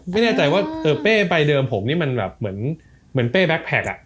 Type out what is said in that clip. ไม่แน่ใจว่าเป้ใบเดิมผมนี่มันเหมือนเป้แบคแพคอ่ะ